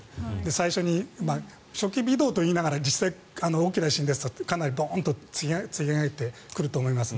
最初に初期微動と言いながら実際、大きな地震ですと突き上げてくると思います。